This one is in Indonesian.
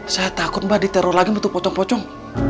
saya takut mbak diteror lagi bentuk pocong pocong